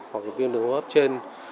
hoặc viêm đường hốp trên